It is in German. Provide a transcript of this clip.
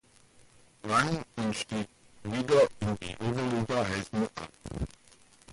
Rang und stieg wieder in die Oberliga Hessen ab.